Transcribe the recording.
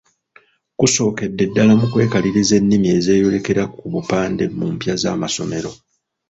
Kusookedde ddala mu kwekaliriza ennimi ezeeyolekera ku bupande mu mpya z'amasomero.